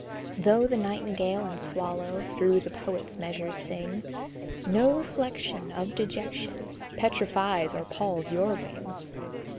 Though the nightingale and swallow Through the poet's measures sing, No reflection Of dejection Petrifies or palls your wing.